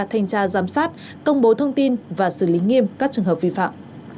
thanh tra giám sát công bố thông tin và xử lý nghiêm các trường hợp vi phạm